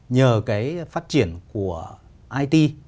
nhờ cái phát triển của it